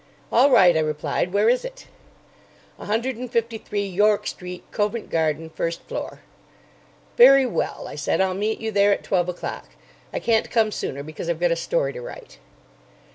"All right," I replied. "Where is it?" "A hundred and fifty three, York Street, Covent Garden. First floor." "Very well," I said. "I'll meet you there at twelve o'clock. I can't come sooner because I've got a story to write."